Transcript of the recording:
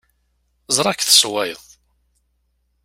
Ẓriɣ-k tessewwayeḍ.